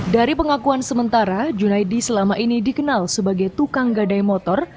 dari pengakuan sementara junaidi selama ini dikenal sebagai tukang gadai motor